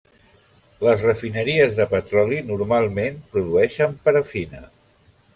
Les refineries de petroli normalment produïxen parafina.